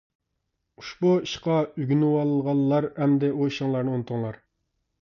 ئۇشبۇ ئىشقا ئۆگىنىۋالغانلار، ئەمدى ئۇ ئىشىڭلارنى ئۇنتۇڭلار!